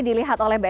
dilihat oleh bmk